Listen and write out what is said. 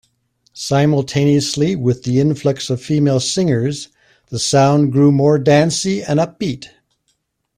Simultaneously with the influx of female singers, the sound grew more dancey and upbeat.